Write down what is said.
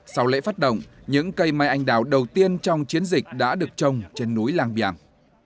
sau lễ phát động những cây mai anh đào đầu tiên trong chiến dịch đã được trồng trên núi làng biển